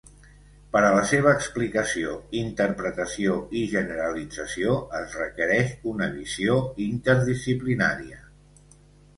Per a la seva explicació, interpretació i generalització es requereix una visió interdisciplinària.